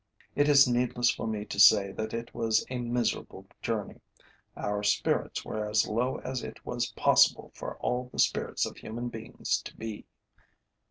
It is needless for me to say that it was a miserable journey. Our spirits were as low as it was possible for the spirits of human beings to be.